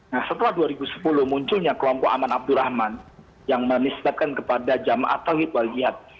nah setelah dua ribu sepuluh munculnya kelompok aman abdurrahman yang menistakan kepada jamaat tawhid walhiyad